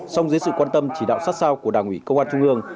song dưới sự quan tâm chỉ đạo sát sao của đảng ủy công an trung ương